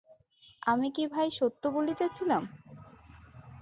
আমি কি ভাই সত্য বলিতেছিলাম?